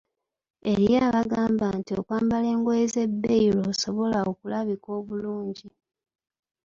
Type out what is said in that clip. Eriyo abagamba nti okwambala engoye ez‘ebbeeyi lw’osobola okulabika obulungi!